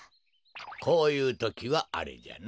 こういうときはあれじゃな。